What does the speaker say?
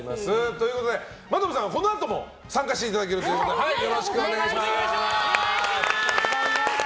ということで真飛さんはこのあとも参加していただけるということでよろしくお願いします。